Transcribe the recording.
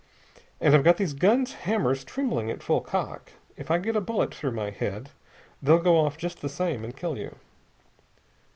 And I've got these guns' hammers trembling at full cock. If I get a bullet through my head, they'll go off just the same and kill you."